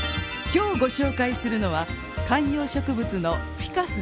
今日ご紹介するのは観葉植物のフィカスです。